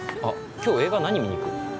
今日映画何見に行く？